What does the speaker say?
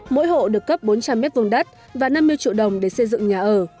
mỗi hộ được cấp bốn trăm linh mét vùng đất và năm mươi triệu đồng để xây dựng nhà ở